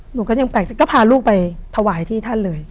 หนูก็ยังแปลกก็พาลูกไปถวายที่ท่านเลย